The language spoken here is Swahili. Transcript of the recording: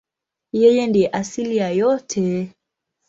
Yeye ndiye asili ya yote.